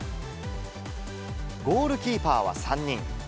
ゴールキーパーは３人。